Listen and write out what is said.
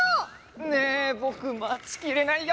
ねえぼくまちきれないよ！